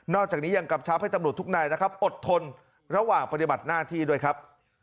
จากนี้ยังกำชับให้ตำรวจทุกนายนะครับอดทนระหว่างปฏิบัติหน้าที่ด้วยครับ